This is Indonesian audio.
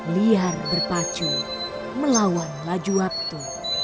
liar berpacu melawan laju waktu